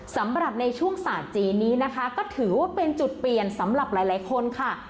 สำหรับในช่วงศาสตร์จีนนี้นะคะก็ถือว่าเป็นจุดเปลี่ยนสำหรับหลายคนค่ะ